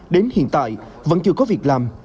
đến hiện tại vẫn chưa có việc làm